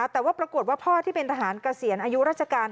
แต่ว่าปรากฏว่าพ่อที่เป็นทหารเกษียณอายุราชการ